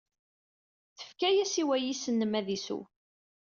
Tefkid-as i wayis-nnem ad isew.